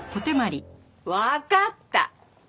わかった！